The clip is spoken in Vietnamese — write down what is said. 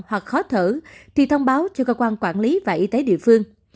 hoặc khó thở thì thông báo cho cơ quan quản lý và y tế địa phương